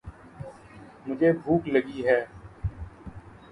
مجھے بھوک لگی ہے۔